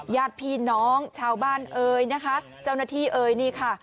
ญาติพี่น้องชาวบ้านเอ่ยนะคะเจ้าหน้าที่เอ่ยนี่ค่ะ